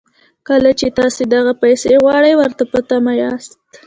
کله چې تاسې دغه پيسې غواړئ او ورته په تمه ياست.